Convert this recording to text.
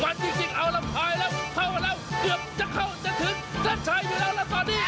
จัดใช้อยู่แล้วแล้วตอนนี้